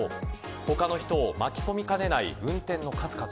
他の人を巻き込みかねない運転の数々。